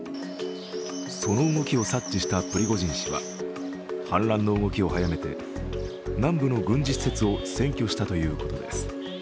その動きを察知したプリゴジン氏は反乱の動きを早めて、南部の軍事施設を選挙したということです。